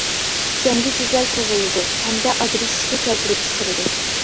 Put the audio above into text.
جەڭگى-جېدەل تۇغۇلىدۇ ھەمدە ئاجرىشىشنى كەلتۈرۈپ چىقىرىدۇ.